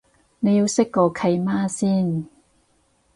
你要識個契媽先